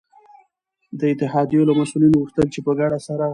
د اتحادیو له مسؤلینو وغوښتل چي په ګډه سره